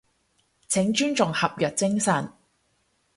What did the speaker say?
請尊重合約精神